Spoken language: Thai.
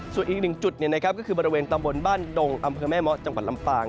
ส่วนอีกหนึ่งจุดก็คือบริเวณตำบลบ้านดงอำเภอแม่เมาะจังหวัดลำปาง